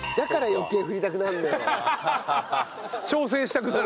挑戦したくなる。